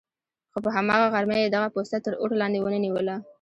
خو په هماغه غرمه یې دغه پوسته تر اور لاندې ونه نیوله.